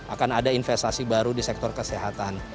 akan ada investasi baru di sektor kesehatan